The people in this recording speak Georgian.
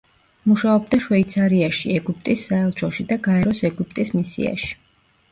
მუშაობდა შვეიცარიაში ეგვიპტის საელჩოში და გაეროს ეგვიპტის მისიაში.